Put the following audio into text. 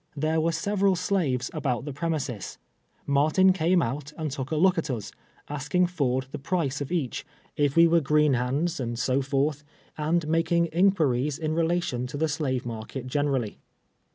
There were several slaves about the premises. Martin came out and took a look at us, asking Ford the price of each, if we were greeii hands, and so forth, and making inquiries in relation to ihe slave market generally.